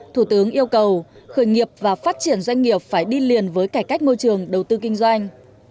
thủ tướng yêu cầu khởi nghiệp và phát triển doanh nghiệp phải đi liền với cải cách môi trường đầu tư kinh doanh